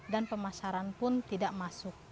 dan pemasaran pun tidak masuk